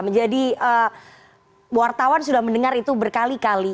menjadi wartawan sudah mendengar itu berkali kali